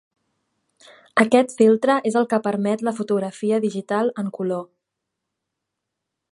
Aquest filtre és el que permet la fotografia digital en color.